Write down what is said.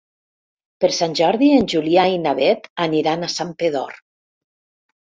Per Sant Jordi en Julià i na Beth aniran a Santpedor.